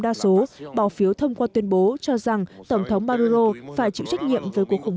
đa số bỏ phiếu thông qua tuyên bố cho rằng tổng thống maruro phải chịu trách nhiệm về cuộc khủng